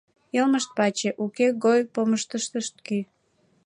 Йылмышт паче, Уке-гой помышыштышт кӱ.